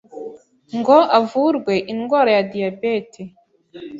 ngo avurwe indwara ya Diabete